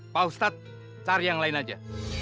pak ustadz cari yang lain aja